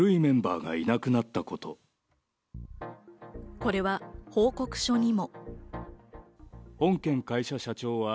これは報告書にも。